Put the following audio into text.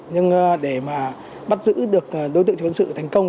nhưng để mà bắt giữ được đối tượng chống sự thành công